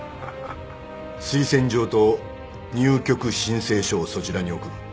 推薦状と入局申請書をそちらに送る。